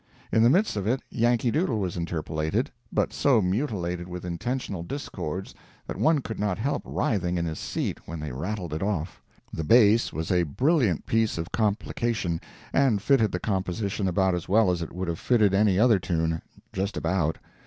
In the midst of it "Yankee Doodle" was interpolated, but so mutilated with intentional discords that one could not help writhing in his seat when they rattled it off. The bass was a brilliant piece of complication, and fitted the composition about as well as it would have fitted any other tune—just about.